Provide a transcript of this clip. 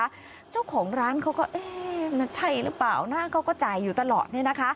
เจ้าของร้านเขาก็เอ๊ะมันใช่หรือเปล่านะเขาก็จ่ายอยู่ตลอดเนี่ยนะคะ